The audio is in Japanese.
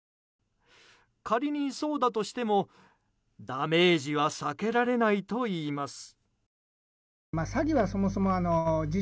仮にそうだとしてもダメージは避けられないといいます。